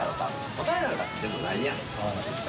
答えなんかでもないやん実際。